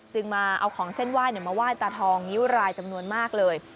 มาเอาของเส้นไหว้มาไหว้ตาทองนิ้วรายจำนวนมากเลย